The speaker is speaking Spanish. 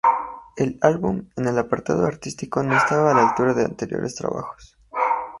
El álbum, en el apartado artístico, no estaba a la altura de anteriores trabajos.